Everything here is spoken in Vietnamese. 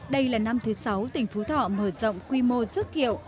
đây là năm thứ sáu tỉnh phú thọ mở rộng quy mô rước kiệu